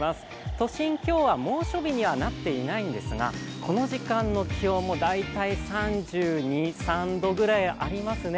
都心、今日は猛暑日にはなっていないんですがこの時間の気温も大体３２３３度ぐらいありますね。